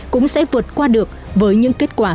cũng sẽ vượt qua được với những kết quả